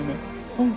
うん。